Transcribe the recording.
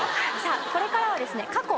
これからはですね